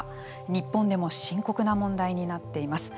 日本でも深刻な問題になっています。